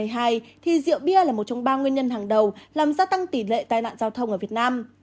thì rượu bia là một trong ba nguyên nhân hàng đầu làm gia tăng tỷ lệ tai nạn giao thông ở việt nam